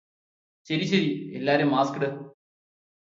ശരി ശരി എല്ലാരും മാസ്ക് ഇട്